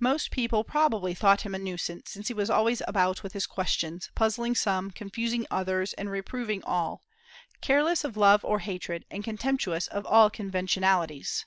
Most people probably thought him a nuisance, since he was always about with his questions, puzzling some, confuting others, and reproving all, careless of love or hatred, and contemptuous of all conventionalities.